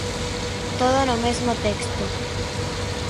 Todo no mesmo texto.